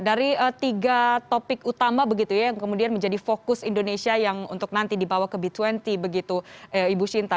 dari tiga topik utama begitu ya yang kemudian menjadi fokus indonesia yang untuk nanti dibawa ke b dua puluh begitu ibu shinta